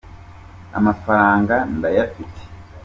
amafaranga ndayafite